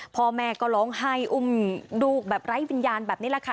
พ่อแม่ก็ร้องไห้อุ้มลูกแบบไร้วิญญาณแบบนี้แหละค่ะ